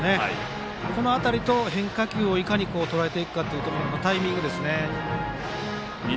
この辺りの変化球と以下にとらえていくかのタイミングですね。